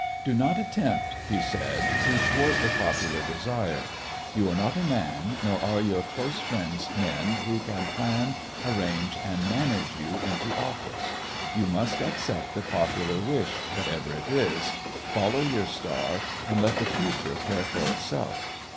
"Do not attempt," he said, "to thwart the popular desire. You are not a man nor are your close friends men who can plan, arrange, and manage you into office. You must accept the popular wish, whatever it is, follow your star, and let the future care for itself.